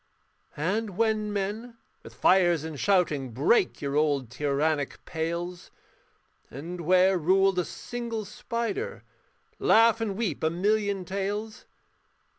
And when men, with fires and shouting, Break your old tyrannic pales; And where ruled a single spider Laugh and weep a million tales.